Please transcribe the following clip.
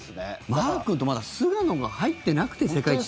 マー君と、まだ菅野が入ってなくて世界一。